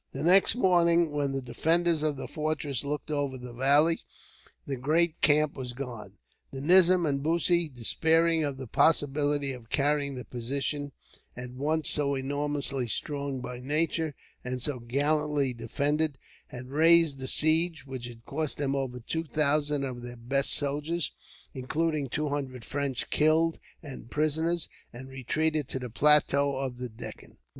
The next morning, when the defenders of the fortress looked over the valley, the great camp was gone. The nizam and Bussy, despairing of the possibility of carrying the position, at once so enormously strong by nature, and so gallantly defended, had raised the siege; which had cost them over two thousand of their best soldiers, including two hundred French killed and prisoners, and retreated to the plateau of the Deccan.